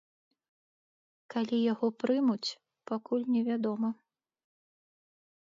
Калі яго прымуць, пакуль невядома.